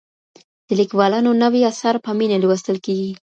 د ليکوالانو نوي اثار په مينه لوستل کېږي.